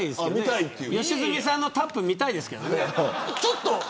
良純さんのタップ見たいですけどね。